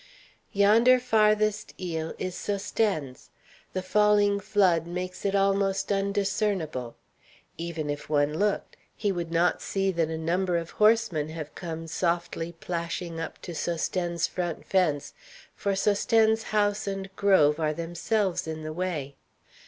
Yonder farthest île is Sosthène's. The falling flood makes it almost undiscernible. Even if one looked, he would not see that a number of horsemen have come softly plashing up to Sosthène's front fence, for Sosthène's house and grove are themselves in the way.